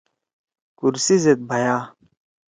کرسی زید بَھیا۔